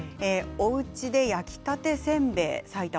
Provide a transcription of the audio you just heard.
おうちで焼きたてせんべい